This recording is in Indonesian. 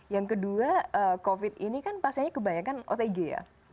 yang kedua covid ini kan pasiennya kebanyakan otg ya